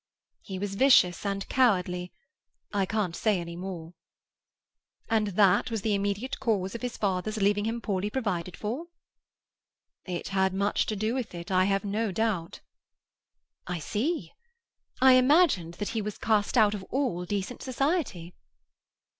"He was vicious and cowardly—I can't say any more." "And that was the immediate cause of his father's leaving him poorly provided for?" "It had much to do with it, I have no doubt." "I see. I imagined that he was cast out of all decent society."